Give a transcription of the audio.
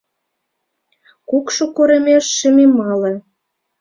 Кукшо коремеш шемемале.